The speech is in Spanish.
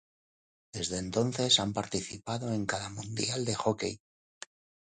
Desde entonces han participado en cada mundial de hockey.